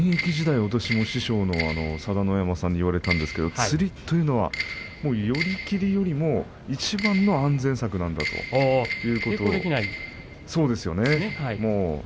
現役時代、私も師匠の佐田の山さんに言われたんですがつりというのは寄り切りよりもいちばんの安全策なんだということを言われました。